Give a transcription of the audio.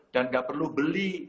dan enggak perlu beli